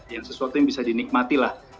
yang sesuatu yang bisa dinikmati lah